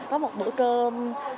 có một bữa cơm